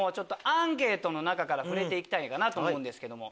アンケートの中から触れて行きたいなと思うんですけども。